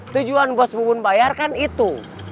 tujuan bos bubun bayarkan itu